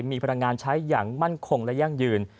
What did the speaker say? มีพลังงานใช้อย่างมั่นคงและยั่งยืน